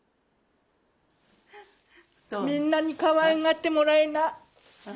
みんなにかわいがってもらいな。